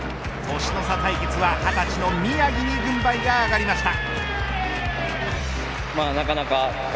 年の差対決は二十歳の宮城に軍配が上がりました。